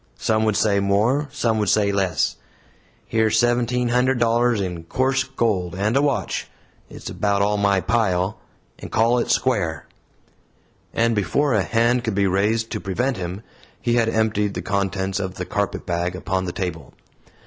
Some would say more; some would say less. Here's seventeen hundred dollars in coarse gold and a watch it's about all my pile and call it square!" And before a hand could be raised to prevent him, he had emptied the contents of the carpetbag upon the table.